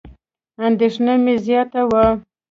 اندېښنه مې زیاته وه.